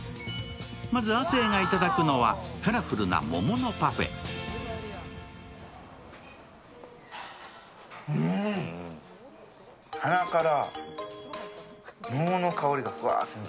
まず亜生がいただくのはカラフルな桃のパフェうん、鼻から桃の香りがふわって。